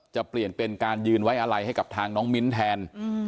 จะเปลี่ยนเป็นการยืนไว้อะไรให้กับทางน้องมิ้นแทน